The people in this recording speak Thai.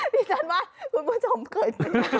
พี่จันว่าคุณผู้ชมเคย